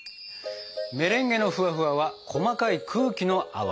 メレンゲのフワフワは細かい空気の泡。